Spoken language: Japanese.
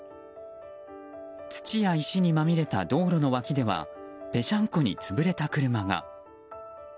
土や石にまみれた道路の脇ではぺしゃんこに潰れた車が。